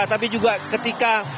tapi juga ketika